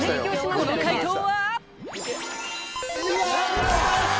この快答は？